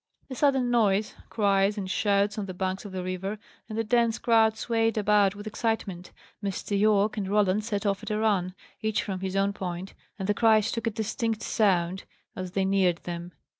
A sudden noise! Cries and shouts on the banks of the river, and the dense crowd swayed about with excitement. Mr. Yorke and Roland set off at a run, each from his own point, and the cries took a distinct sound as they neared them.